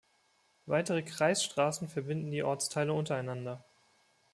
Weitere Kreisstraßen verbinden die Ortsteile untereinander.